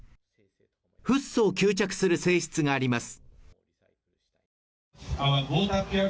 フッ素を吸着する性質があります。